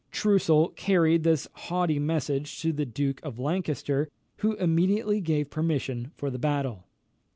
Troussel carried this haughty message to the Duke of Lancaster, who immediately gave permission for the battle.